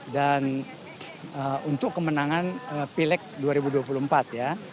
dan untuk kemenangan pileg dua ribu dua puluh empat ya